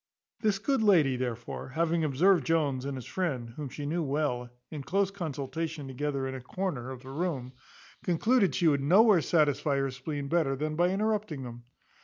This good lady, therefore, having observed Jones, and his friend, whom she well knew, in close consultation together in a corner of the room, concluded she could nowhere satisfy her spleen better than by interrupting them.